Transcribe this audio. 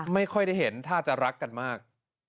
ไม่ค่อยได้เห็นท่าจะรักกันมาก